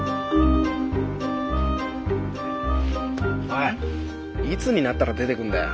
おいいつになったら出てくんだよ？